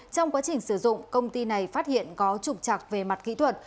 trong quá trình sử dụng công ty này phát hiện có trục trặc về mặt kỹ thuật